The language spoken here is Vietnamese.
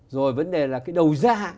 rồi vấn đề là cái đầu gia